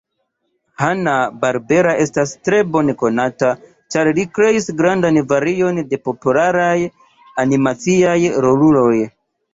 Hanna-Barbera estas tre bone konata ĉar kreis grandan varion de popularaj animaciaj roluloj.